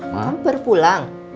kamu baru pulang